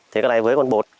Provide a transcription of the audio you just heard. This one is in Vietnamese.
thì cái này với con bột